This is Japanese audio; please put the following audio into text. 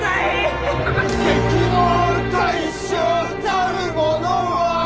「敵の大将たるものは」